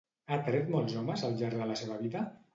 Ha atret molts homes al llarg de la seva vida?